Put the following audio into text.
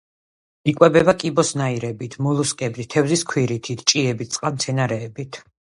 იკვებება კიბოსნაირებით, მოლუსკებით, თევზის ქვირითით, ჭიებით, წყალმცენარეებით.